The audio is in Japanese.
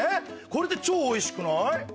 これって超おいしくない？